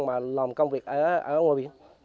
mà làm công việc ở ngôi biển